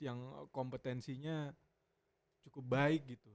yang kompetensinya cukup baik gitu